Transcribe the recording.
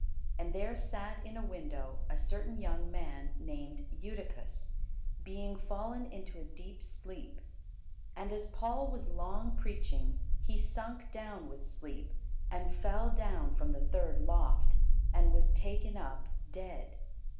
And there sat in a window a certain young man named Eutychus, being fallen into a deep sleep: and as Paul was long preaching, he sunk down with sleep, and fell down from the third loft, and was taken up dead.